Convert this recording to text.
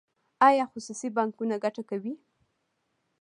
آیا خصوصي بانکونه ګټه کوي؟